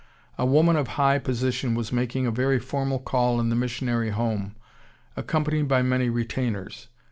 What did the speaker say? A woman of high position was making a very formal call in the missionary home, accompanied by many retainers.